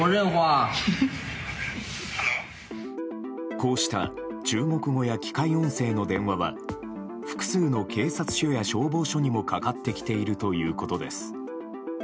こうした中国語や機械音声の電話は複数の警察署や消防署にもかかってきているということです。